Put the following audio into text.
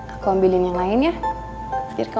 aku ambilin yang lain ya biar kamu makin ganteng